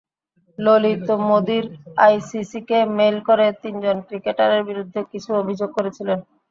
লোলিত মোদীর আইসিসিকে মেইল করে তিনজন ক্রিকেটারের বিরুদ্ধে কিছু অভিযোগ করেছিলেন।